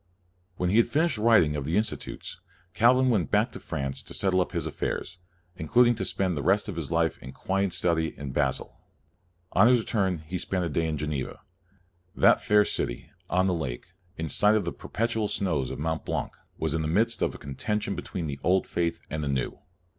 When he had finished the writing of the CALVIN 107 Institutes, Calvin went back to France to settle up his affairs, intending to spend the rest of his life in quiet study in Basel. On his return he spent a day in Geneva. That fair city, on the lake, in sight of the perpetual snows of Mont Blanc, was in the midst of a contention between the old faith and the new.